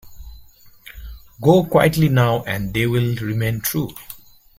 Go quietly now, and they'll remain true.